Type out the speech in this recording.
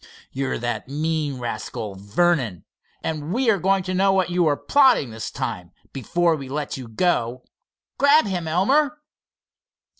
"You're that mean rascal Vernon, and we're going to know what you are plotting this time before we let you go. Grab him, Elmer."